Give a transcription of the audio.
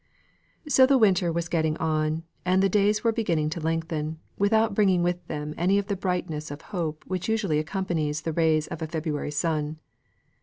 So the winter was getting on, and the days were beginning to lengthen, without bringing with them any of the brightness of hope which usually accompanies the rays of a February sun.